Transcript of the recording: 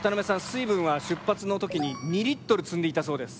水分は出発の時に２リットル積んでいったそうです。